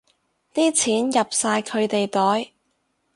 啲錢入晒佢哋袋